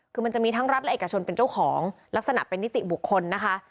คือมันจะมีทั้งรัฐและเอกชนเป็นเจ้าของลักษณะเป็นนิติบุคคลนะคะ